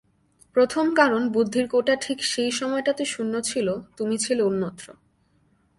প্রথম কারণ বুদ্ধির কোঠা ঠিক সেই সময়টাতে শূন্য ছিল, তুমি ছিলে অন্যত্র।